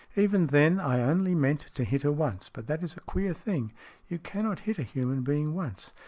Even then I only meant to hit her once, but that is a queer thing you cannot hit a human being once.